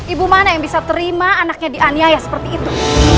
ibu mana yang bisa terima anaknya dianiaya seperti itu